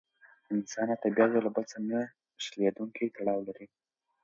انسان او طبیعت یو له بل سره نه شلېدونکی تړاو لري.